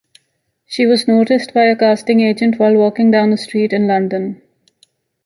She was noticed by a casting agent while walking down a street in London.